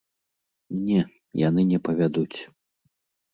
Не, яны не павядуць.